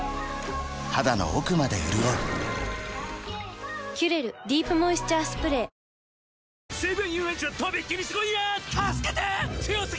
肌の奥まで潤う「キュレルディープモイスチャースプレー」血圧はちゃんとチェック！